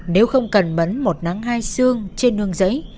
nếu không cần mẫn một nắng hai xương trên nương giấy